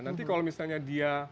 nanti kalau misalnya dia